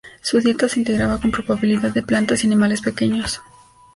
Su dieta se integraba con probabilidad de plantas y animales pequeños.